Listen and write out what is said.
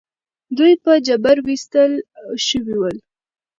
دوی په جبر ویستل شوي ول.